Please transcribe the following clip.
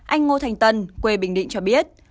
anh ngô thành tân quê bình định cho biết